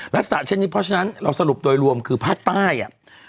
ลักษณะเช่นนี้เพราะฉะนั้นเราสรุปโดยรวมคือภาคใต้อ่ะ